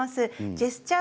ジェスチャー